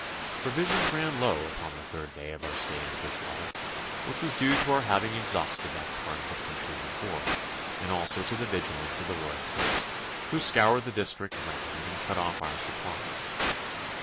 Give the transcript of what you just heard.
Provisions ran low upon the third day of our stay in Bridgewater, which was due to our having exhausted that part of the country before, and also to the vigilance of the Royal Horse, who scoured the district round and cut off our supplies.